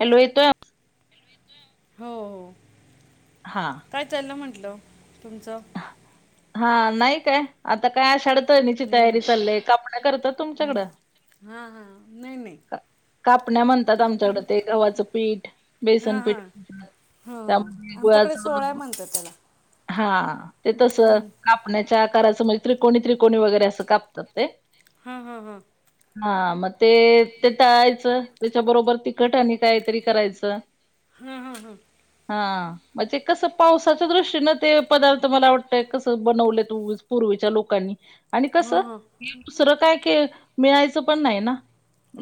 Hello येतोय आ हो हो. हा. काय चाललं म्हटलं तुमचं? हा. नाही काय आता काय आषाढ तळणीची तयारी चाललंय. कापण्या करतात तुमच्याकडं? हा हा‌ नाही नाही. कापण्या म्हणतात आमच्याकडं. ते गव्हाच पीठ, बेसन हां पीठ हां म्ह त्यामध्ये हां गुळाच आमच्याकडे सोहळा [unintelligible] म्हणतात त्याला हा ते तसं हं, कापण्याच्या आकाराचं म्हणजे त्रिकोणी त्रिकोणी वगैरे असं कापतात ते. हा हा हा. हा मग ते ते तळायचं. त्याच्याबरोबर तिखट आणि काहीतरी करायचं. हा हा हा. हा. म्हणजे कसं पावसाच्या दृष्टीनं ते पदार्थ मला वाटतंय कसं बनवले [unintelligible] पूर्वीच्या लोकांनी आणि कसं हां हां हे दुसरं काय? के मिळायचं पण नाही ना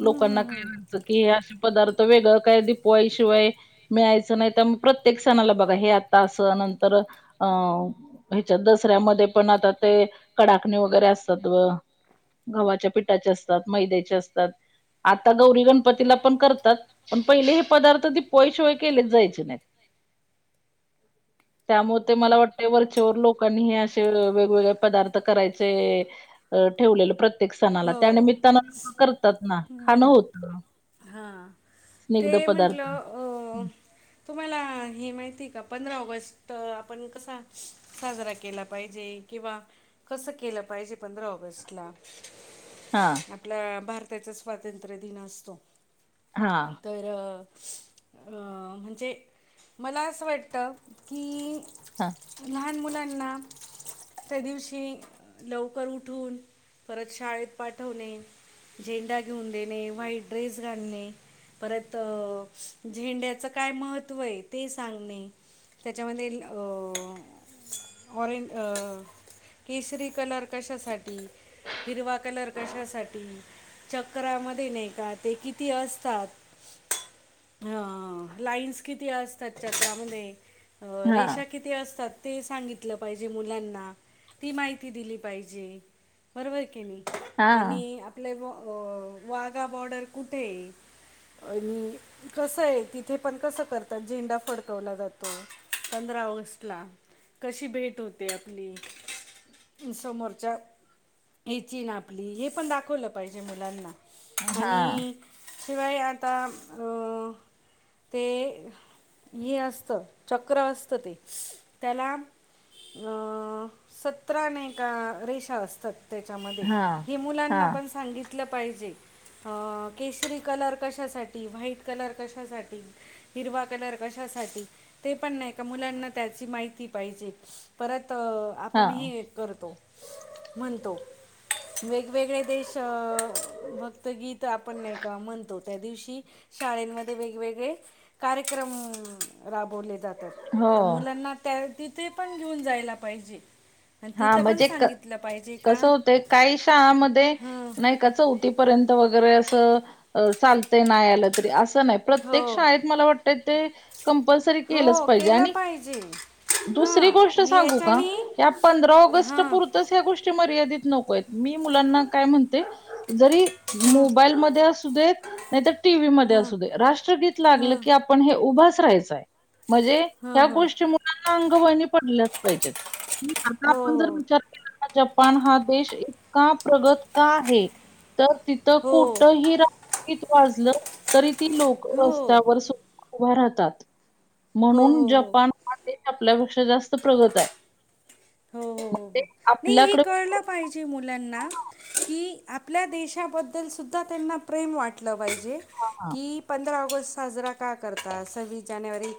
हं, हं, काय हं. वाटत कि हे असं. पदार्थ वेगळ काय? दिपवाळी शिवाय मिळायचं नाही तर म प्रत्येक सणाला बघा हे आता असं नंतर अ दसऱ्यामध्ये पण आता ते कडाकणी वगैरे असतात. व- गव्हाच्या पिठाचे असतात. मैद्याचे असतात. आता गौरी गणपतीला पण करतात. पण पहिले हे पदार्थ दिपवाळीच्या शिवाय केलेच जायचे नाहीत. ह त्यामुळे ते मला वाटते वर चेवर लोक लोकांनी असे वेगवेगळे पदार्थ करायचे ठेवलेले प्रत प्रत्येक सणाला हो त्यानमित्तानं लोक करतात. ना खाणं हं. होत. हां ते म्हंटलं हम्म तुम्हाला हे माहिती आहे का? पंधरा ऑगस्ट आपण कसा साजरा केला पाहिजे. किंवा कसं केलं पाहिजे पंधरा ऑगस्टला. हां. आपला भारताचा स्वातंत्र्य दिन असतो. हां. तर म्हणजे मला असं वाटतं की हा लहान मुलांना त्या दिवशी लवकर उठून परत शाळेत पाठवणे, झेंडा घेऊन देणे, व्हाईट ड्रेस घालणे, परत झेंड्याचं काय? महत्त्व हे ते सांगणे. त्याच्या मध्ये अ ऑरेंज केशरी कलर कशासाठी? हिरवा कलर कशासाठी? चक्रामध्ये नाही का ते किती? असतात. लाईन्स किती? असतात. चक्रामध्ये हा रेषा किती? असतात. ते सांगितलं पाहिजे मुलांना ती माहिती दिली पाहिजे. बरोबर आहे की नाही. हा आणि आपले व वाघा बॉर्डर कुठे? आहे आणि कसं आहे तिथे पण कसं करतात. झेंडा फडकवला जातो. पंधरा ऑगस्ट ला कशी? भेट होते आपली. समोरच्या या्ची हेना आपली हे पण दाखवलं पाहिजे मुलांना. हा आणि शिवाय आता अ ते हे असत चक्र असतं ते त्याला सतराने का रेषा असतात. त्याच्यामध्ये हा हे हा मुलांना पण सांगितलं पाहिजे हं केसरी कलर कशासाठी? व्हाईट कलर कशासाठी? हिरवा कलर कशासाठी? ते पण नाही का मुलांना त्याची माहिती पाहिजे. परत हा आपण हे करतो म्हणतो. वेगवेगळे देश भक्तगीत आपण नाही का म्हणतो. त्या दिवशी शाळेमध्ये वेगवेगळे कार्यक्रम राबवले जातात. हो तर मुलांना त्या तिथे पण घेऊन जायला पाहिजे. आणि हा तिथं पण म्हणजे क सांगितलं पाहिजे का कसं होतंय काही शाळामध्ये हं, नाही का चौथीपर्यंत वगैरे असं चालतंय नाही आलं तरी असं. हो प्रत्येक शाळेत मला वाटतं ते कंपरसली केलच हो पाहिजे केलं आणि पाहिजे दुसरी हां गोष्ट आणि सांगू का? याच्याने ह्या पंधरा ऑगस्ट हां पुरतच ह्या गोष्टी मर्यादित नकोयत मी मुलांना काय? म्हणते जरी हां मोबाईलमध्ये असू देेत नाहीतर टीव्ही म हां असू दे राष्ट्रगीत लागल हां की आपण हे उभाच राहायचाय. म्हनजे हां ह्या हां गोष्टीमुळे मुलांना अंगवळणी पडलच पाहिजे. आता हो आपण जर विचार केलाना जपान हा देश इतका प्रगत का आहे. तर तिथं हो हो कुठही राष्ट्र गीत वाजलं तरी ती लोक हो रस्त्यावर सु उभा राहतात. हो म्हणून हो जपान हा देश आपल्यापेक्षा जास्त प्रगत आहे. हो हो मग ते हो नाही हे आपल्याकडे कळलं पाहिजे मुलांना, की आपल्या देशाबद्दल सुुद्धा त्यांना प्रेम वाटलं पाहिजे हां, की, पंधरा ऑगस्ट साजरा का करतात. सव्वीस जानेवारी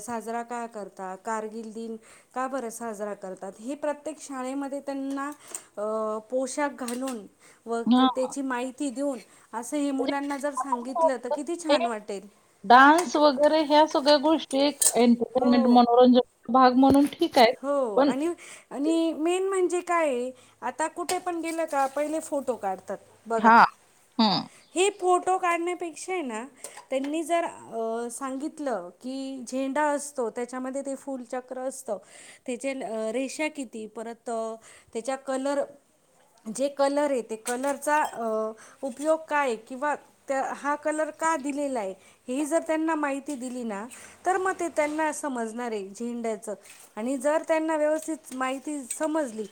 साजरा का करतात. कारगिल दिन का बर साजरा कर करतात. हे प्रत्येक शाळेमध्ये त्यांना पोशाख घालून व हां, त्याची माहिती देऊन. असंही म्हणजे मुलांना जर सांगितलं तर किती ते छान वाटेल. डान्स वगैरे ह्या सगळ्या गोष्टी एक एंट एंटरटेनमेंट हो मनोरंजन भाग म्हणून ठीक हो पण आणि आणि मेन म्हणजे काय हाय, आता कुठे पण गेलं का पहिले फोटो काढतात. बघा. हम हे फोटो काढण्यापेक्षा हेना त्यांनी जर सांगितलं की झेंडा अस असतो त्याच्यामध्ये ते फुलचक्र असतं. त्याचे रेषा किती परत त्याच्या कलर जे कलर आहे, ते कलरचा उपयोग काय किंवा हा कलर का दिलेला आहे, हे जर त्यांना माहिती दिली ना तर मग, त्यांना समजणार आहे झेंड्याचं, आणि जर त्यांना व्यवस्थित माहिती समजली.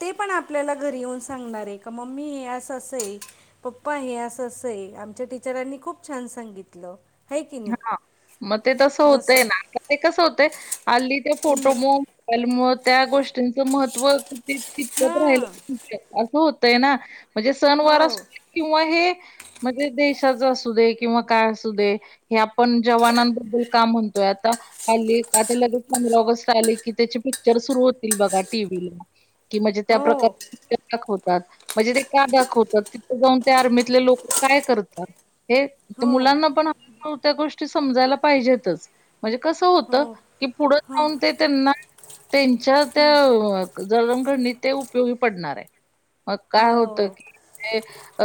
ते पण आपल्याला घरी येऊन सांगणारे का मम्मी हे असं असं आहे. पप्पा हे असं असंय आमच्या टीचरांनी खूप छान सांगितलं. आहे की हा नाही मग ते तसं असं होतय ना आ ते कसं होतंय हल्ली ते फोटो म आणि मग त्या गोष्टींचं महत्त्व कितपत राहील. हां असं होतय ना म्हणजे हो सनवार असतुय. किंवा हे म्हणजे देशाच असू दे किंवा काय असू दे. हे आपण जवानांबद्दल का म्हणतोय आता, हल्ली आता लगेच पंधरा ऑगस्ट आले की त्यांचे पिक्चर सुरू होतील बघा टीव्हीला. कि म्हणजे त्या हो प्रकारे - पिक्चर दाखवतात म्हणजे ते का दाखवतात, तिथे जाऊन ते आर्मीतले लोक काय करतात. हे तर हो मुलांना पण त्या्या गोष्टी समजायला पाहिजेतच. म्हणजे कसं होत हो हो की पुढं हो जाऊन ते त्यांना त्यांच्या त्या जडणघडणीत ते उपयोगी पडणारे. मग काय हो होत की.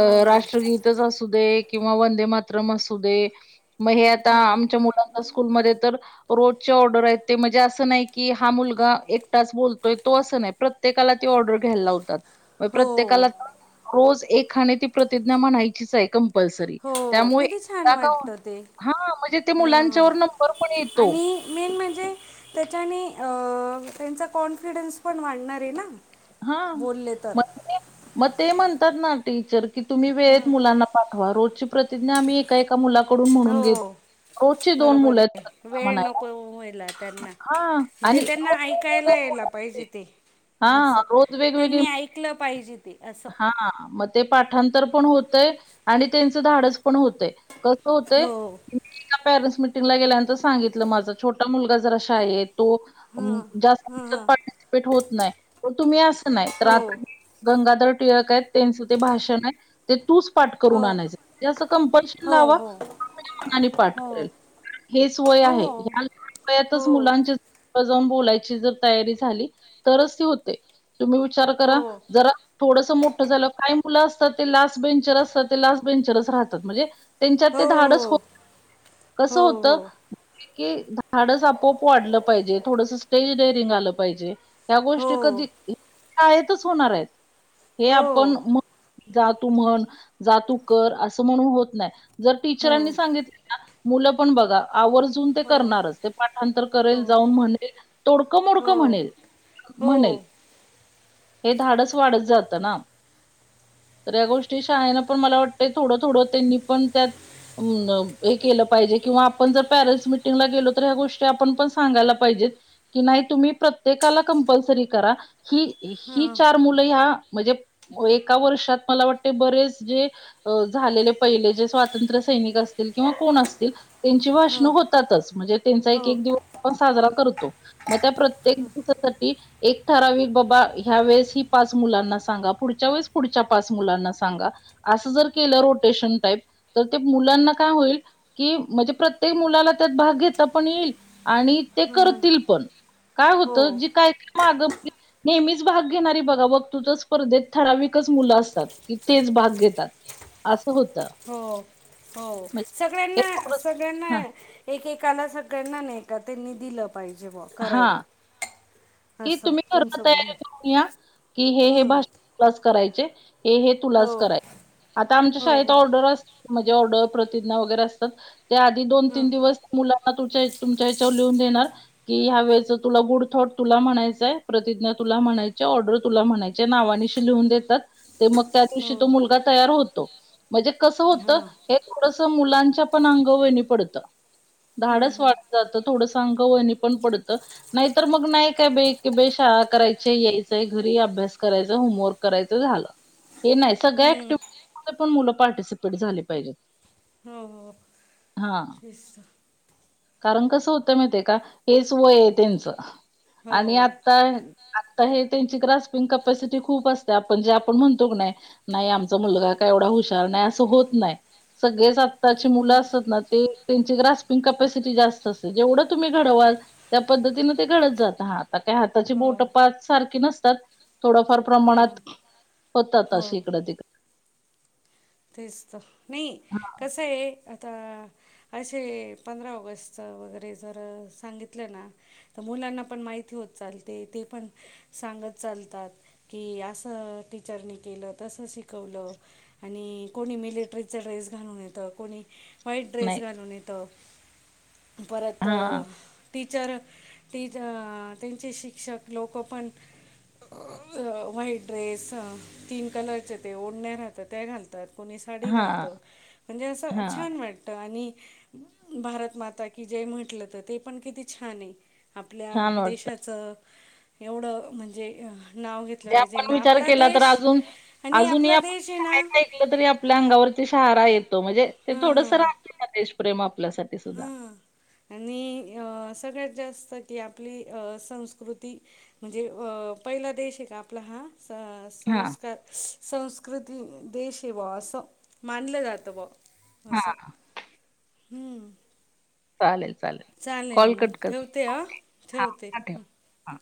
अ हो राष्ट्रगीतच असू दे किंवा वंदे मातरम असू दे. मग हे आता हो आमच्या मुलांचा स्कूलमध्ये तर, रोजच्या ऑर्डर आहेत ते म्हणजे असं नाही की हा मुलगा एकटच बोलतोय तो असं नाही. प्रत्येकाला ती ऑर्डर घ्यायला लावतात. मग हो प्रत्येकाला का रोज एकाने ती प्रतिज्ञा म्हणायची आहे कंपल्सरी, हो त्यामुळे किती छान एकदा का होईना. वाटतं ते हा म्हणजे ते मुलांच्या हां वर आणि. मेन म्हणजे त्याच्याने अ त्यांचा कॉन्फिडन्स पण वाढणार आहे ना. हा बोलले तर म म ते म्हणतात ना टीचर की तुम्ही वेळेत हं, मुलांना पाठवा रोजची प्रतिज्ञा आम्ही एक का एका मुलाकडून म्हणून घेत हो बरोबर आहे वेळ म्हणायला. नको व्हायला त्यांना हां. म्हणजे आणि त्यांना रोज ऐकायला यायला पाहिजे ते. हा. असं त्यांनी ऐकलं पाहिजे ते असं. हा म ते पाठांतर पण होतंय आणि त्यांचं धाडस पण होतंय. कसं होते हो [inaudible] एका पेरेंटस मिटिंगला गेल्यानंतर सांगितलं माझा छोटा मुलगा जरा शाय येत. तो अम हां जास्त हां [unintelligible] होत नाय पण तुम्ही असं नाय तर हो आता किती गंगाधर टिळक आहेत त्यांचं ते भाषण आहे ते तूच पाठ हो करून आणायचं असं कंपल्शन लावा हो हो [inaudible] पाठ हो करेल. हेच वय आहे. हो [inaudible] वयातच हो मुलांची [inaudible] बोलायची जर तयारी झाली तरच ती होतय. तुम्ही विचार हो करा जरा थोडंसं मोठं झाल्यावर काही मुलं असतात ते लास्ट बेंचर असतात ते लास्ट बेंचरच राहतात म्हणजे त्यांच्यात ते धाडच हो [inaudible] कसं होतय हो ते की धाडस आपोआप वाढलं पाहिजे थोडसं स्टेज डेरिंग आलं पाहिजे. या हो गोष्टी कधी हो [inaudible] शाळेतच होणार आहेत. हे हो आपण [inaudible] जा तू म्हण जा तू कर असं म्हणून होत नाय. जर टीचरांनी हो सांगित मुलं पण बघा आवर्जून ते हो करणारच ते पाठांतर करेल हो जाऊन म्हणेल तोडकं मोडकं हो म्हणेल म्हणेल हो हे धाडस वाढत जातं ना. तर या गोष्टी शाळयाने पण मला वाटतंय थोडं थोडं त्यांनी पण त्यात उम्म न हे केलं पाहिजे किंवा आपण जर पॅरेंट्स मिटिंगला गेलो तर ह्या गोष्टी आपण पण सांगायला पाहिजेत की नाही तुम्ही प्रत्येकाला कंपल्सरी करा ही ही हं चार मुलं ही या म्हणजे एका वर्षात मला वाटते बरेच जे- अ झालेले पहिले जे स्वातंत्र्य सैनिक असतील किंवा कोण असतील त्यांची भाषणं हं होतातच म्हणजे त्यांचा एक हो एक दिवस आपण साजरा करतो मग त्या प्रत त्येक [unintelligible] एक ठरावी बाबा ह्या वेळेस ही पाच मुलांना सांगा पुढच्या वेळेस पुढच्या पाच मुलांना सांगा असं जर केलं रोटेशन टाईप तर ते मुलांना काय होईल कि म्हणजे प्रत्येक मुलाला त्यात भाग घेता पण येईल आणि ते हं करतील पण. काय हो होतं जी काय काय मागं नेहमीच भाग घेणारी बघ बघतोतच स्पर्धेत ठराविकच मुलं असतात की तेच भाग घेतात असं होतं. हो हो म्हणजे हे सगळ्यांना सग थोडं सगळ्यांना हा एकेकाला सगळ्यांना नाही का त्यांनी दिलं पाहिजे ब हा करायला की असं तुम्ही घरना तुमचं म्हणणं तयारी करून या की हे हे हं भाष तुलास करायचे हे हे तुलाच हो कराय आता हो शाळेत हो आऊटडोर असतं म्हणजे आऊटडोर प्रतिज्ञा असतात त्या आधी दोन हं तीन दिवस मुलांना तुच्या तुमच्या ह्याच्यावर लिहून देणार कि ह्या वेळेचा तुला गुड थॉट तुला म्हणायचंय, प्रतिज्ञा तुला म्हणायची, ऑर्डर तुला म्हणायची, नावाांनीशी लिहून देतात ते मग त्या दिवशी तो हो मुलगा तयार होतो. म्हणजे कसं होतं, हां हे थोडसं मुलांच्या पण अंगवळणी पडतं. हं धाडच हं वाढत जातं, थोडसं अंगवळणी पण पडतं, नाहीतर मग नाही काय बे एके क बे शाळा करायची, यायचंय घरी अभ्यास करायचं, होमवर्क करायचं, झालं. हे नाही, सगळ्या हं एक्टीवीटीमधे पण मुलं पार्टिसिपेट झाली पाहिजेत. हां. तिंस कारण कसं होतं माहितीय का, हेच वय आहे त्यांचं, आणि हो आता आता हे त्यांची ग्रास्पिंग कॅपॅसिटी खूप असते आपण जे आपण म्हणतो क नाही,, नाही आमचा मुलगा काय एवढा हुशार नाही, असं होत नाही, सगळेच आताचे हं मुलं असतात ना ते, त्यांची ग्रस्पिंग कप सिटी जास्त असते, जेवढं तुम्ही घडवाल त्या पद्धतीने ते घडत जातं, आता काय हाताची बोट हो पाच सारखी नसतात. थोडफार हां प्रमाणात, होतात हो अशी इकडं तिकडं. तेच तर, नाई हा कसंय आता, असे पंधरा ऑगस्टच वगैरे जर सांगितलं ना, तर मुलांना पण माहिती होत चालते, ती पण सांगत चालतात, की असं टीचरनी केलं, तसं शिकवलं, आणि कोणी मिलिटरीच ड्रेस घालून येतं, कोणी व्हाईट ड्रेस नाही घालून येतं, परत हा टीचर, टी ज त्यांचे शिक्षक लोकं पण व्हाईट ड्रेस, तीन कलरचे ते ओढण्या राहतात त्या घालतात. कोणी साडी हा घालतं, म्हणजे असं हा छान वाट ट, आणि भारतमाता कि जय म्हटलं, तर ते पण किती छान आहे. आपल्या छान वाट देशाचं, एवढं म्हणजे नाव घेतलं म्हणजे पाहिजे आपण ना, विचार आपला केला तर देश, अजून आणि आपला देश ए ना म्हटलं तरी आपल्या अंगावरती शहारा येतो, म्हणजे ते थोडसं हां राहते ना देशप्रेम आपल्यासाठी सुद्धा. हां आणि, अ सगळ्यात जास्त ती आपली अ संस्कृती म्हणजे, अ पहिला देश आहे का आपला सा हां, संस्कार स संस्कृती देश य बुआ असं मानलं जातं बुआ असं हां. हं. चालेल चालेल. चालेल कॉल मग कट कर. ठेवते हं, ओके. हां, ठेवते. हां ठेव. हां.